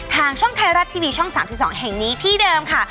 ทางช่องไทยรัฐทีวีช่อง๓๒แห่งนี้ที่เดิมค่ะ